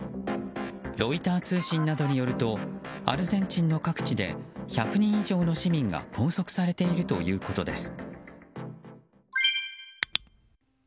ロイター通信などによるとアルゼンチンの各地で１００人以上の市民が拘束されているということです。